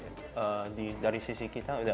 jadi masing masing dari sisi kita kita bisa berikan